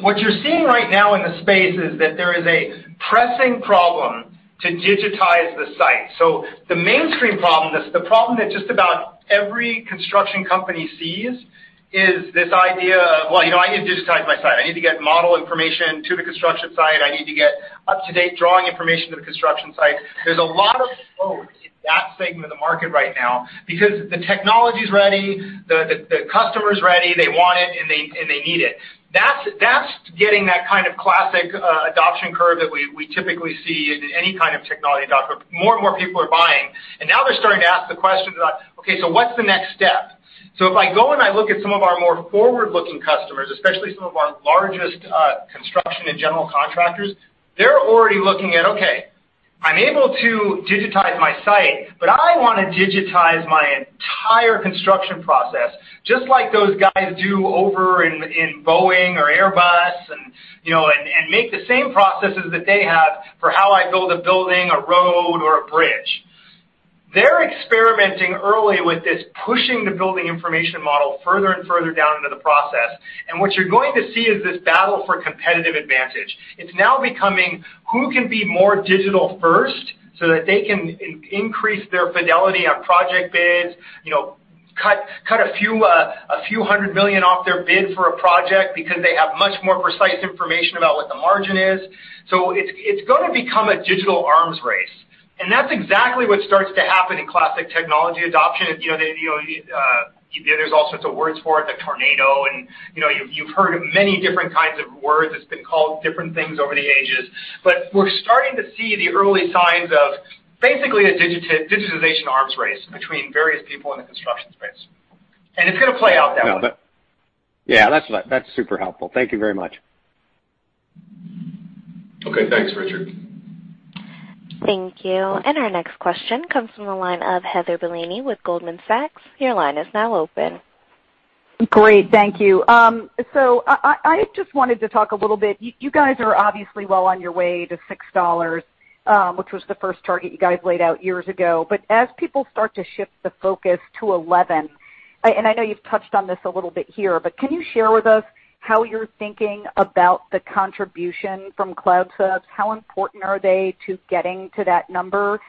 what you're seeing right now in the space is that there is a pressing problem to digitize the site. The mainstream problem, the problem that just about every construction company sees, is this idea of, well, I need to digitize my site. I need to get model information to the construction site. I need to get up-to-date drawing information to the construction site. There's a lot of flow in that segment of the market right now because the technology's ready, the customer's ready, they want it, and they need it. That's getting that kind of classic adoption curve that we typically see in any kind of technology adoption. More and more people are buying. Now they're starting to ask the questions about, "Okay, what's the next step?" If I go and I look at some of our more forward-looking customers, especially some of our largest construction and general contractors, they're already looking at, "Okay, I'm able to digitize my site, but I want to digitize my entire construction process, just like those guys do over in Boeing or Airbus, and make the same processes that they have for how I build a building, a road, or a bridge." They're experimenting early with this, pushing the building information model further and further down into the process. What you're going to see is this battle for competitive advantage. It's now becoming who can be more digital first so that they can increase their fidelity on project bids, cut a few hundred million dollars off their bid for a project because they have much more precise information about what the margin is. It's going to become a digital arms race. That's exactly what starts to happen in classic technology adoption. There's all sorts of words for it, the tornado, and you've heard many different kinds of words. It's been called different things over the ages. We're starting to see the early signs of basically a digitization arms race between various people in the construction space. It's going to play out that way. Yeah, that's super helpful. Thank you very much. Okay. Thanks, Richard. Thank you. Our next question comes from the line of Heather Bellini with Goldman Sachs. Your line is now open. Great. Thank you. I just wanted to talk a little bit, you guys are obviously well on your way to $6, which was the first target you guys laid out years ago. As people start to shift the focus to $11, and I know you've touched on this a little bit here, but can you share with us how you're thinking about the contribution from cloud subs? How important are they to getting to that number?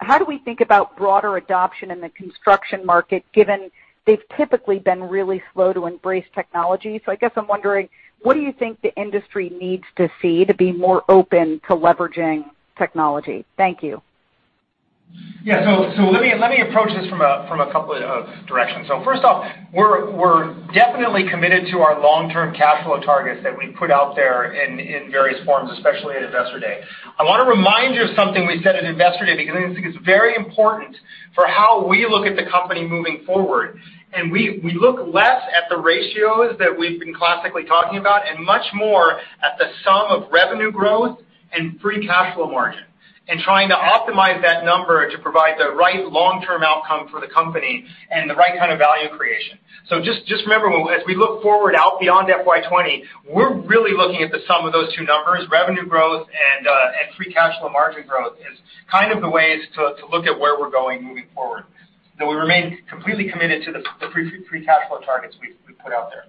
How do we think about broader adoption in the construction market, given they've typically been really slow to embrace technology? I guess I'm wondering, what do you think the industry needs to see to be more open to leveraging technology? Thank you. Yeah. Let me approach this from a couple of directions. First off, we're definitely committed to our long-term capital targets that we put out there in various forms, especially at Investor Day. I want to remind you of something we said at Investor Day, because I think it's very important for how we look at the company moving forward. We look less at the ratios that we've been classically talking about and much more at the sum of revenue growth and free cash flow margin, and trying to optimize that number to provide the right long-term outcome for the company and the right kind of value creation. Just remember, as we look forward out beyond FY 2020, we're really looking at the sum of those two numbers, revenue growth and free cash flow margin growth, as kind of the ways to look at where we're going moving forward. Though we remain completely committed to the free cash flow targets we put out there.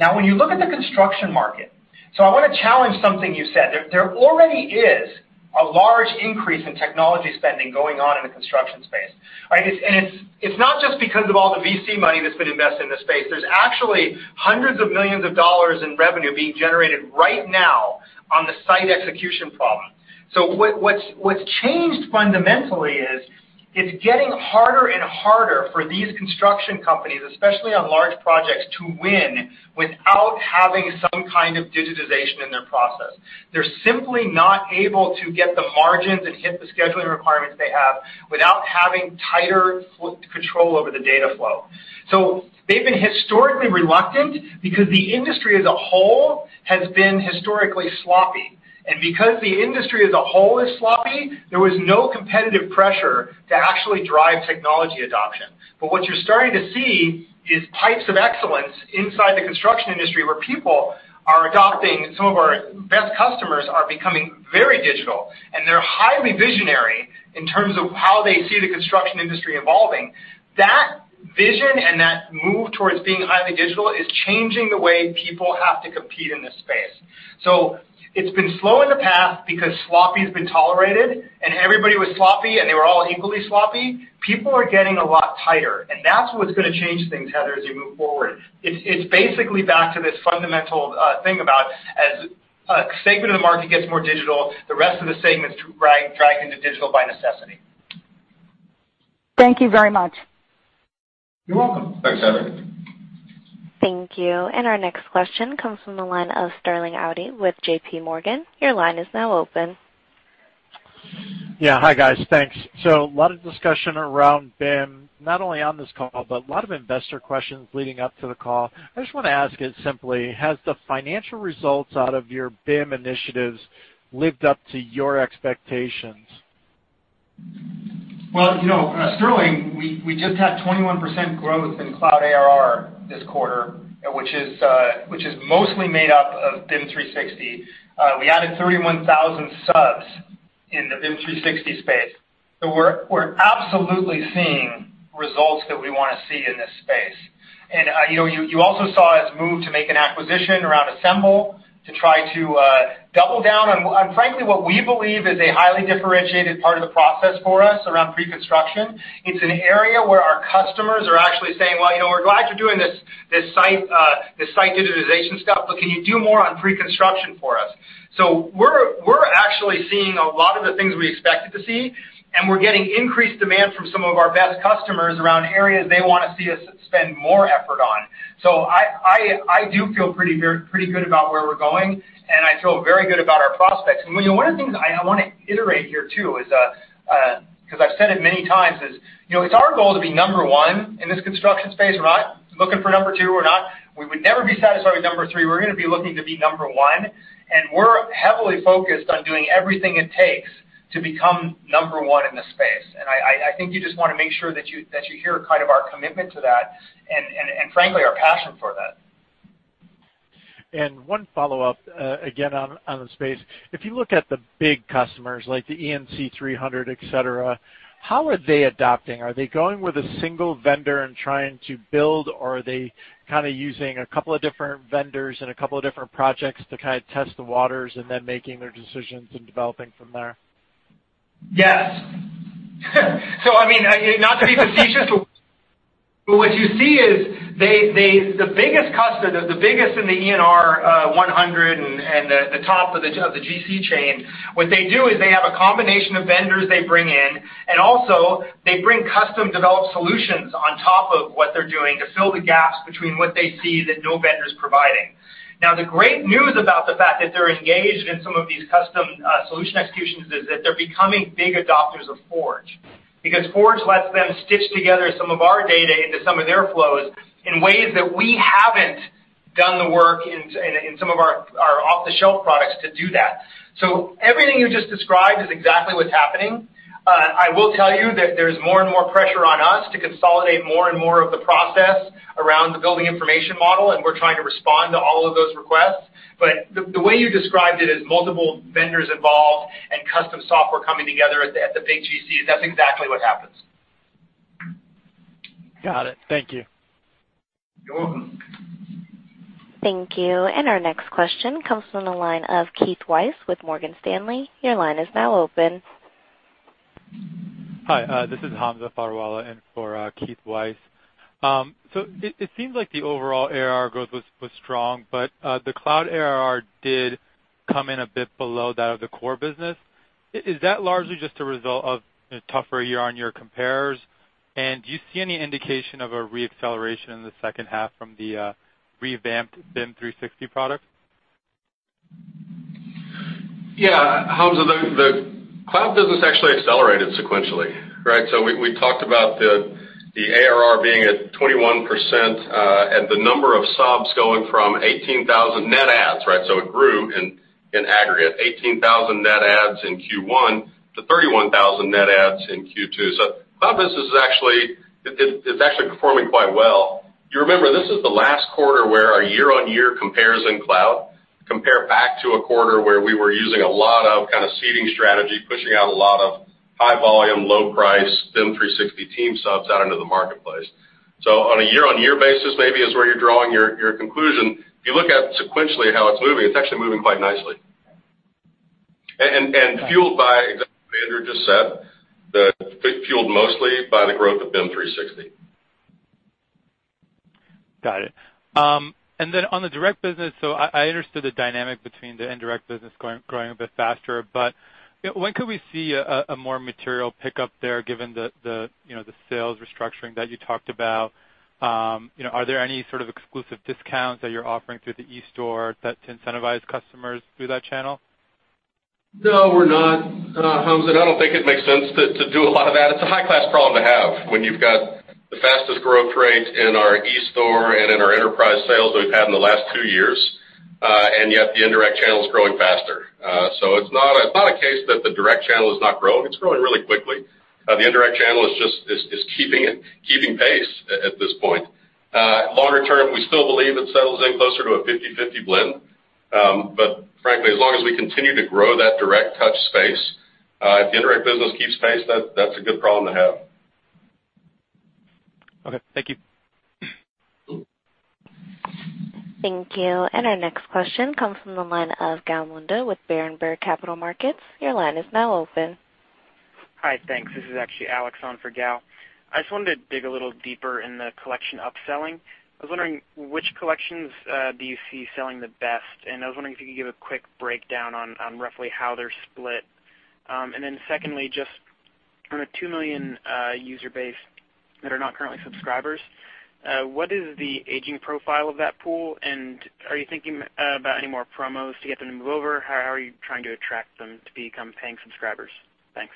Now, when you look at the construction market, so I want to challenge something you said. There already is a large increase in technology spending going on in the construction space, right? It's not just because of all the VC money that's been invested in this space. There's actually hundreds of millions of dollars in revenue being generated right now on the site execution problem. What's changed fundamentally is, it's getting harder and harder for these construction companies, especially on large projects, to win without having some kind of digitization in their process. They're simply not able to get the margins and hit the scheduling requirements they have without having tighter control over the data flow. They've been historically reluctant because the industry as a whole has been historically sloppy. Because the industry as a whole is sloppy, there was no competitive pressure to actually drive technology adoption. What you're starting to see is types of excellence inside the construction industry, where people are adopting, some of our best customers are becoming very digital, and they're highly visionary in terms of how they see the construction industry evolving. That vision and that move towards being highly digital is changing the way people have to compete in this space. It's been slow in the past because sloppy has been tolerated, and everybody was sloppy, and they were all equally sloppy. People are getting a lot tighter, and that's what's going to change things, Heather, as we move forward. It's basically back to this fundamental thing about as a segment of the market gets more digital, the rest of the segment is dragged into digital by necessity. Thank you very much. You're welcome. Thanks, Heather. Our next question comes from the line of Sterling Auty with J.P. Morgan. Your line is now open. Yeah. Hi, guys. Thanks. A lot of discussion around BIM, not only on this call, but a lot of investor questions leading up to the call. I just want to ask it simply, has the financial results out of your BIM initiatives lived up to your expectations? Well, Sterling, we just had 21% growth in cloud ARR this quarter, which is mostly made up of BIM 360. We added 31,000 subs in the BIM 360 space. We're absolutely seeing results that we want to see in this space. You also saw us move to make an acquisition around Assemble to try to double down on, frankly, what we believe is a highly differentiated part of the process for us around pre-construction. It's an area where our customers are actually saying, "Well, we're glad you're doing this site digitization stuff, but can you do more on pre-construction for us?" We're actually seeing a lot of the things we expected to see, and we're getting increased demand from some of our best customers around areas they want to see us spend more effort on. I do feel pretty good about where we're going, and I feel very good about our prospects. One of the things I want to iterate here too, because I've said it many times, is it's our goal to be number one in this construction space. We're not looking for number two. We would never be satisfied with number three. We're going to be looking to be number one, and we're heavily focused on doing everything it takes to become number one in this space. I think you just want to make sure that you hear our commitment to that and frankly, our passion for that. One follow-up, again, on the space. If you look at the big customers, like the ENR 300, et cetera, how are they adopting? Are they going with a single vendor and trying to build, or are they using a couple of different vendors and a couple of different projects to test the waters and then making their decisions and developing from there? Not to be facetious, but what you see is the biggest in the ENR 100 and the top of the GC chain, what they do is they have a combination of vendors they bring in, and also they bring custom-developed solutions on top of what they're doing to fill the gaps between what they see that no vendor's providing. The great news about the fact that they're engaged in some of these custom solution executions is that they're becoming big adopters of Forge, because Forge lets them stitch together some of our data into some of their flows in ways that we haven't done the work in some of our off-the-shelf products to do that. Everything you just described is exactly what's happening. I will tell you that there's more and more pressure on us to consolidate more and more of the process around the building information model, and we're trying to respond to all of those requests. The way you described it, as multiple vendors involved and custom software coming together at the big GCs, that's exactly what happens. Got it. Thank you. You're welcome. Thank you. Our next question comes from the line of Keith Weiss with Morgan Stanley. Your line is now open. Hi, this is Hamza Fodderwala in for Keith Weiss. It seems like the overall ARR growth was strong, but the cloud ARR did come in a bit below that of the core business. Is that largely just a result of a tougher year on your comparers? Do you see any indication of a re-acceleration in the second half from the revamped BIM 360 product? Hamza, the cloud business actually accelerated sequentially, right? We talked about the ARR being at 21%, and the number of subs going from 18,000 net adds, right? It grew in aggregate, 18,000 net adds in Q1 to 31,000 net adds in Q2. Cloud business is actually performing quite well. You remember, this is the last quarter where our year-on-year compares in cloud compare back to a quarter where we were using a lot of seeding strategy, pushing out a lot of high volume, low price BIM 360 Team subs out into the marketplace. On a year-on-year basis, maybe is where you're drawing your conclusion. If you look at sequentially how it's moving, it's actually moving quite nicely. Fueled by, as Andrew just said, fueled mostly by the growth of BIM 360. Got it. On the direct business, I understood the dynamic between the indirect business growing a bit faster, but when could we see a more material pickup there given the sales restructuring that you talked about? Are there any sort of exclusive discounts that you're offering through the e-store to incentivize customers through that channel? No, we're not, Hamza. I don't think it makes sense to do a lot of that. It's a high-class problem to have when you've got the fastest growth rates in our e-store and in our enterprise sales that we've had in the last two years, yet the indirect channel's growing faster. It's not a case that the direct channel is not growing. It's growing really quickly. The indirect channel is just keeping pace at this point. Longer term, we still believe it settles in closer to a 50/50 blend. Frankly, as long as we continue to grow that direct touch space, if the indirect business keeps pace, that's a good problem to have. Okay, thank you. Thank you. Our next question comes from the line of Gal Munda with Baird and Baird Capital Markets. Your line is now open. Hi, thanks. This is actually Alex on for Gal. I just wanted to dig a little deeper in the collection upselling. I was wondering which collections do you see selling the best, and I was wondering if you could give a quick breakdown on roughly how they're split. Secondly, just on a 2 million user base that are not currently subscribers, what is the aging profile of that pool, and are you thinking about any more promos to get them to move over? How are you trying to attract them to become paying subscribers? Thanks.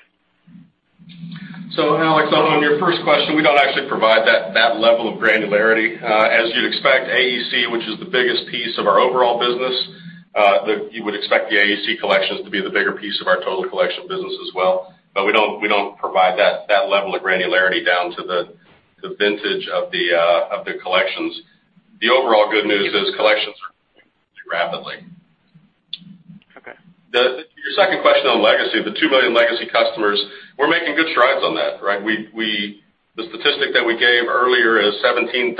Alex, on your first question, we don't actually provide that level of granularity. As you'd expect, AEC, which is the biggest piece of our overall business, you would expect the AEC collections to be the bigger piece of our total collection business as well. We don't provide that level of granularity down to the vintage of the collections. The overall good news is collections are growing rapidly. Okay. Your second question on legacy, the 2 million legacy customers, we're making good strides on that, right? The statistic that we gave earlier is 17,000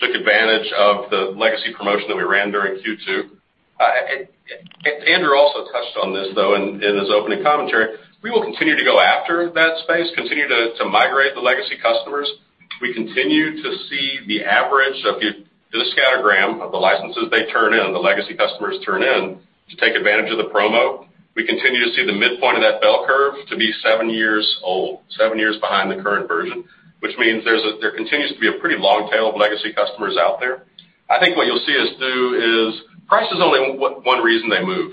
took advantage of the legacy promotion that we ran during Q2. Andrew also touched on this, though, in his opening commentary. We will continue to go after that space, continue to migrate the legacy customers. We continue to see the average of the scattergram of the licenses they turn in, the legacy customers turn in, to take advantage of the promo. We continue to see the midpoint of that bell curve to be seven years old, seven years behind the current version, which means there continues to be a pretty long tail of legacy customers out there. I think what you'll see us do is, price is only one reason they move.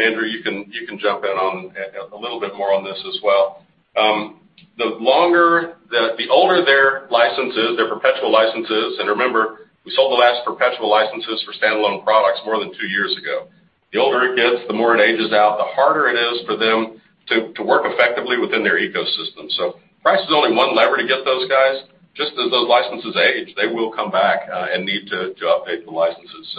Andrew, you can jump in a little bit more on this as well. The older their licenses, their perpetual licenses, and remember, we sold the last perpetual licenses for standalone products more than two years ago. The older it gets, the more it ages out, the harder it is for them to work effectively within their ecosystem. Price is only one lever to get those guys. Just as those licenses age, they will come back and need to update the licenses.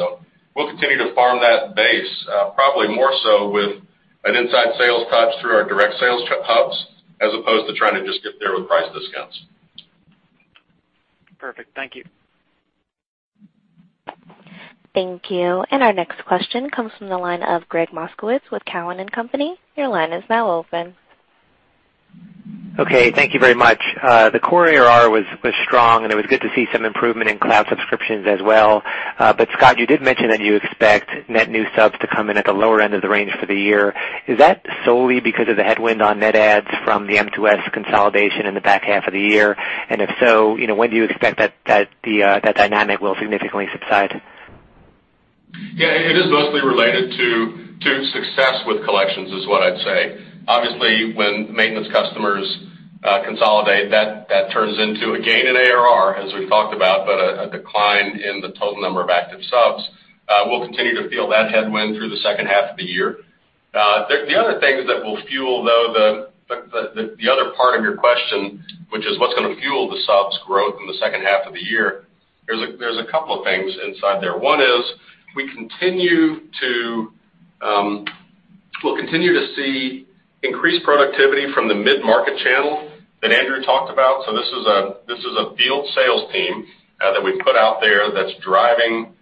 We'll continue to farm that base, probably more so with an inside sales touch through our direct sales hubs, as opposed to trying to just get there with price discounts. Perfect. Thank you. Thank you. Our next question comes from the line of Gregg Moskowitz with Cowen and Company. Your line is now open. Okay, thank you very much. The core ARR was strong, and it was good to see some improvement in cloud subscriptions as well. Scott, you did mention that you expect net new subs to come in at the lower end of the range for the year. Is that solely because of the headwind on net adds from the M2S consolidation in the back half of the year? If so, when do you expect that dynamic will significantly subside? It is mostly related to success with collections, is what I'd say. Obviously, when maintenance customers consolidate, that turns into a gain in ARR, as we've talked about, but a decline in the total number of active subs. We'll continue to feel that headwind through the second half of the year. The other things that will fuel, though, the other part of your question, which is what's going to fuel the subs growth in the second half of the year, there's a couple of things inside there. One is we'll continue to see increased productivity from the mid-market channel that Andrew talked about. This is a field sales team that we put out there that's driving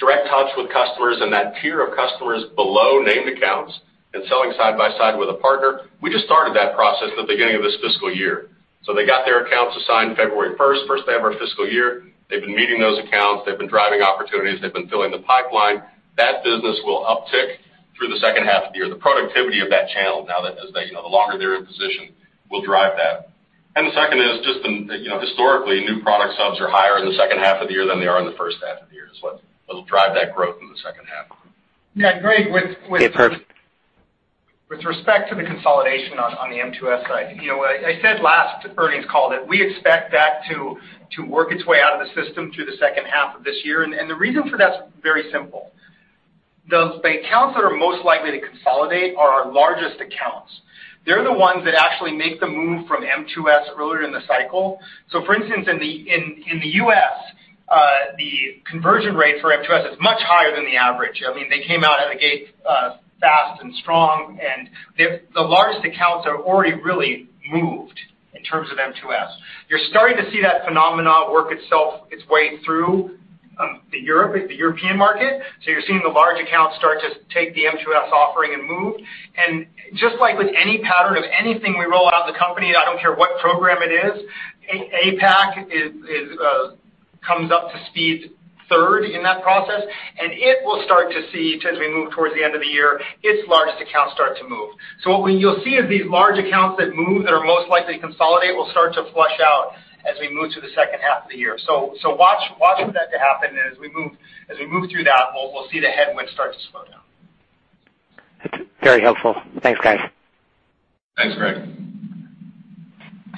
direct touch with customers and that tier of customers below named accounts and selling side by side with a partner. We just started that process at the beginning of this fiscal year. They got their accounts assigned February 1st, first day of our fiscal year. They've been meeting those accounts. They've been driving opportunities. They've been filling the pipeline. That business will uptick through the second half of the year. The productivity of that channel, now the longer they're in position, will drive that. The second is just, historically, new product subs are higher in the second half of the year than they are in the first half of the year, is what will drive that growth in the second half. Gregg. Perfect. With respect to the consolidation on the M2S side, I said last earnings call that we expect that to work its way out of the system through the second half of this year, and the reason for that's very simple. The accounts that are most likely to consolidate are our largest accounts. They're the ones that actually make the move from M2S earlier in the cycle. For instance, in the U.S., the conversion rate for M2S is much higher than the average. I mean, they came out of the gate strong, and the largest accounts are already really moved in terms of M2S. You're starting to see that phenomena work its way through the European market. You're seeing the large accounts start to take the M2S offering and move. Just like with any pattern of anything we roll out in the company, I don't care what program it is, APAC comes up to speed third in that process. It will start to see, as we move towards the end of the year, its largest accounts start to move. What you'll see is these large accounts that move, that are most likely to consolidate, will start to flush out as we move to the second half of the year. Watch for that to happen. As we move through that, we'll see the headwinds start to slow down. That's very helpful. Thanks, guys. Thanks, Gregg.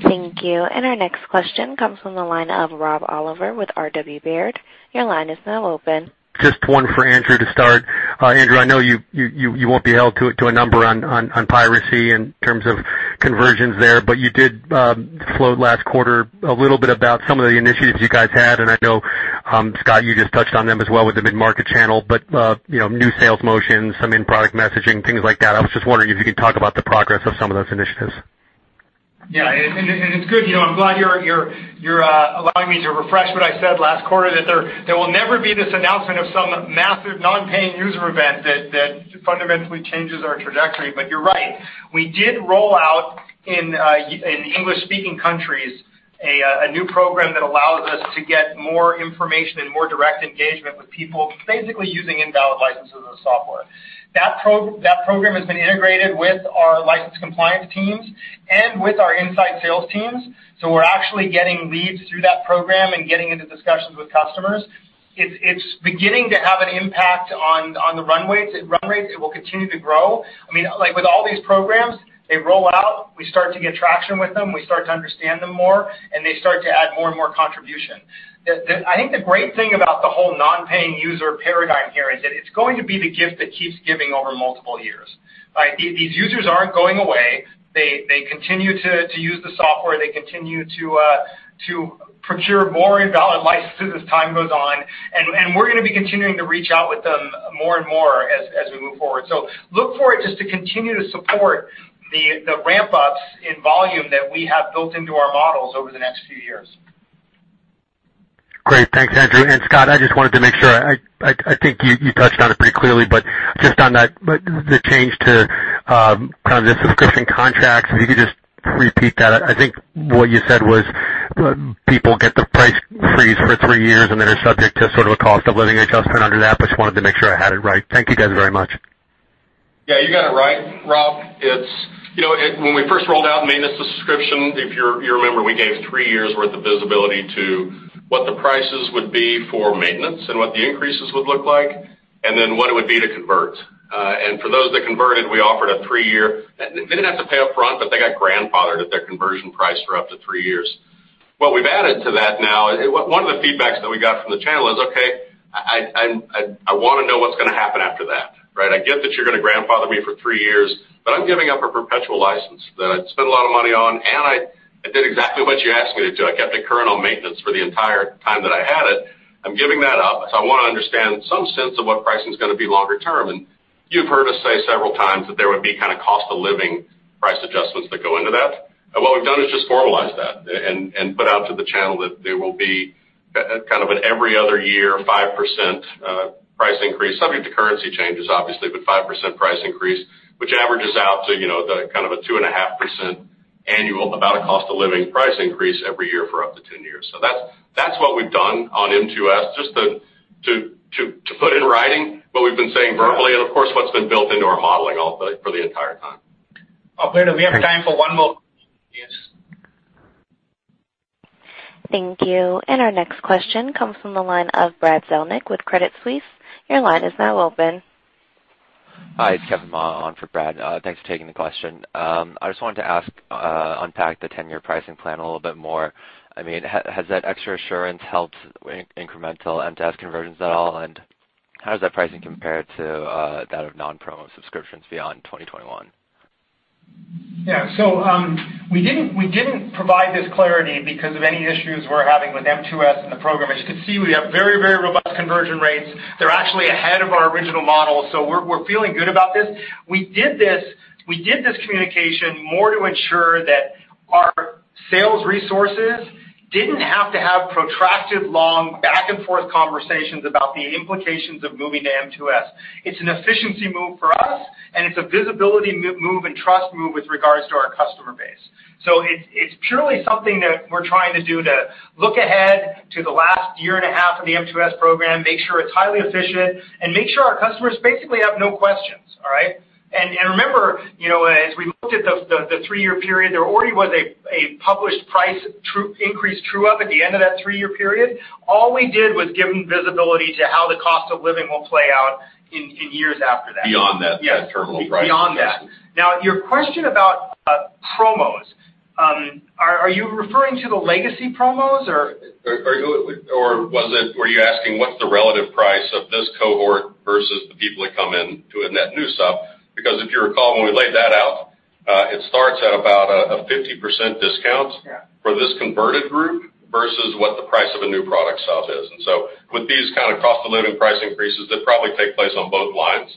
Thank you. Our next question comes from the line of Rob Oliver with R.W. Baird. Your line is now open. Just one for Andrew to start. Andrew, I know you won't be held to a number on piracy in terms of conversions there, but you did float last quarter a little bit about some of the initiatives you guys had. I know, Scott, you just touched on them as well with the mid-market channel, but new sales motions, some end-product messaging, things like that. I was just wondering if you could talk about the progress of some of those initiatives. Yeah. It's good. I'm glad you're allowing me to refresh what I said last quarter, that there will never be this announcement of some massive non-paying user event that fundamentally changes our trajectory. You're right. We did roll out in English-speaking countries a new program that allows us to get more information and more direct engagement with people basically using invalid licenses of the software. That program has been integrated with our license compliance teams and with our inside sales teams. We're actually getting leads through that program and getting into discussions with customers. It's beginning to have an impact on the run rates. It will continue to grow. Like with all these programs, they roll out, we start to get traction with them, we start to understand them more, and they start to add more and more contribution. I think the great thing about the whole non-paying user paradigm here is that it's going to be the gift that keeps giving over multiple years. These users aren't going away. They continue to use the software. They continue to procure more invalid licenses as time goes on. We're going to be continuing to reach out with them more and more as we move forward. Look for it just to continue to support the ramp-ups in volume that we have built into our models over the next few years. Great. Thanks, Andrew. Scott, I just wanted to make sure, I think you touched on it pretty clearly, but just on that, the change to the subscription contracts, if you could just repeat that. I think what you said was people get the price freeze for 3 years and then are subject to sort of a cost of living adjustment under that, but just wanted to make sure I had it right. Thank you guys very much. Yeah, you got it right, Rob. When we first rolled out maintenance subscription, if you remember, we gave 3 years' worth of visibility to what the prices would be for maintenance and what the increases would look like, and then what it would be to convert. For those that converted, we offered a 3-year. They didn't have to pay up front, but they got grandfathered at their conversion price for up to 3 years. What we've added to that now, one of the feedbacks that we got from the channel is, "Okay, I want to know what's going to happen after that. I get that you're going to grandfather me for 3 years, but I'm giving up a perpetual license that I'd spent a lot of money on, and I did exactly what you asked me to do. I kept it current on maintenance for the entire time that I had it. I'm giving that up, so I want to understand some sense of what pricing's going to be longer term." You've heard us say several times that there would be cost-of-living price adjustments that go into that. What we've done is just formalized that and put out to the channel that there will be an every other year 5% price increase, subject to currency changes, obviously, but 5% price increase, which averages out to a 2.5% annual, about a cost-of-living price increase every year for up to 10 years. That's what we've done on M2S, just to put in writing what we've been saying verbally, and of course, what's been built into our modeling for the entire time. Operator, we have time for one more. Yes. Thank you. Our next question comes from the line of Brad Zelnick with Credit Suisse. Your line is now open. Hi, it's Kevin Ma on for Brad. Thanks for taking the question. I just wanted to ask, unpack the 10-year pricing plan a little bit more. Has that extra assurance helped incremental M2S conversions at all? How does that pricing compare to that of non-promo subscriptions beyond 2021? Yeah. We didn't provide this clarity because of any issues we're having with M2S and the program. As you can see, we have very, very robust conversion rates. They're actually ahead of our original model. We're feeling good about this. We did this communication more to ensure that our sales resources didn't have to have protracted, long back-and-forth conversations about the implications of moving to M2S. It's an efficiency move for us, and it's a visibility move and trust move with regards to our customer base. It's purely something that we're trying to do to look ahead to the last year and a half of the M2S program, make sure it's highly efficient, and make sure our customers basically have no questions. All right? Remember, as we looked at the 3-year period, there already was a published price increase true-up at the end of that 3-year period. All we did was give them visibility to how the cost of living will play out in years after that. Beyond that terminal price. Beyond that. Now, your question about promos, are you referring to the legacy promos? Were you asking what is the relative price of this cohort versus the people that come in to a net new sub? If you recall, when we laid that out, it starts at about a 50% discount. Yeah For this converted group versus what the price of a new product sub is. With these cost-of-living price increases that probably take place on both lines,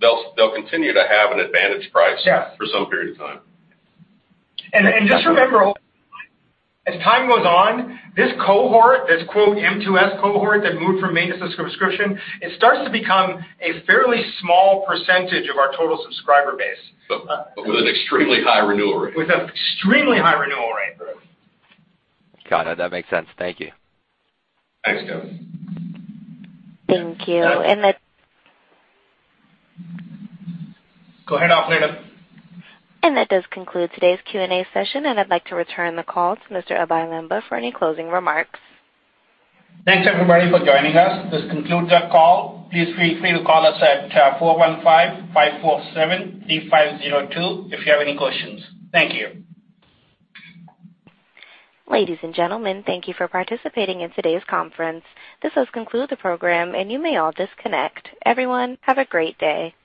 they will continue to have an advantage price. Yes for some period of time. Just remember, as time goes on, this cohort, this M2S cohort that moved from maintenance subscription, it starts to become a fairly small percentage of our total subscriber base. With an extremely high renewal rate. With an extremely high renewal rate. Got it. That makes sense. Thank you. Thanks, Kevin. Thank you. Go ahead, operator. That does conclude today's Q&A session, I'd like to return the call to Mr. Abhey Lamba for any closing remarks. Thanks everybody for joining us. This concludes our call. Please feel free to call us at 415-547-3502 if you have any questions. Thank you. Ladies and gentlemen, thank you for participating in today's conference. This does conclude the program, and you may all disconnect. Everyone, have a great day.